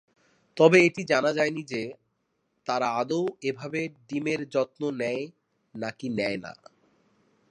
তবে এটি জানা যায়নি যে তারা আদৌ এভাবে ডিমের যত্ন নেয় নাকি নেয় না।